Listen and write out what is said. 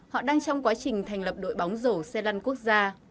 họ đang trong quá trình thành lập đội bóng rổ xe lăn quốc gia